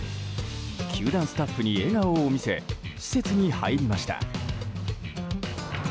球団スタッフに笑顔を見せ施設に入りました。